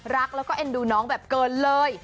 รักแล้วก็เอ็นดูน้องแบบเกินเลย